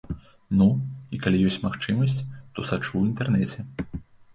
Ну, і калі ёсць магчымасць, то сачу ў інтэрнэце.